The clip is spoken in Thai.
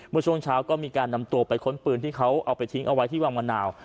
เมื่อช่วงเช้าก็มีการนำตัวไปค้นปืนที่เขาเอาไปทิ้งเอาไว้ที่วังมะนาว